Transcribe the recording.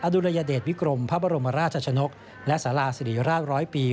อดุลยเดชวิกรมพระบรมราชชนกและศาลาศรีราช๑๐๐ปี